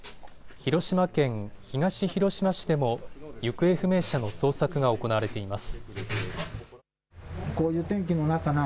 広島県東広島市でも行方不明者の捜索が行われています。